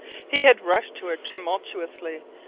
He had rushed to her tumultuously.